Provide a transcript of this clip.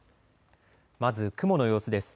まず雲の様子です。